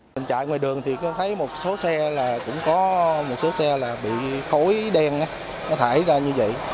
mình chạy ngoài đường thì có thấy một số xe là cũng có một số xe là bị khối đen á nó thải ra như vậy